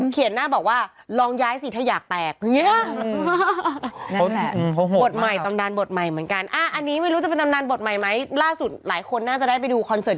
เขียนแบบเหมือนเวลาไปจองคิวว่ะ